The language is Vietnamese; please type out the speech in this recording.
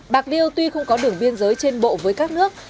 bạc liêu tuy không có đường biên giới trên bộ với các nước